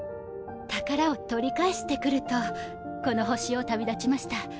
「宝を取り返してくる」とこの星を旅立ちました。